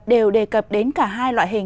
đều đề cập đến cả hai loại hình